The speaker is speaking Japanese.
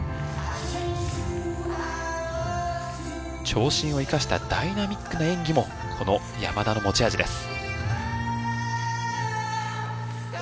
長身を生かしたダイナミックな演技もこの山田の持ち味です。